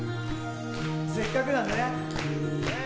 せっかくなのでね。